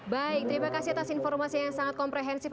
baik terima kasih atas informasi yang sangat komprehensif